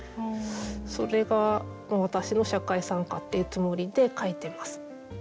それが私の社会参加っていうつもりで書いてます。